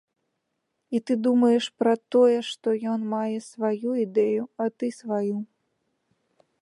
І ты думаеш, пра тое, што ён мае сваю ідэю, а ты сваю.